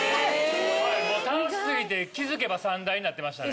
楽しすぎて気付けば３台になってましたね。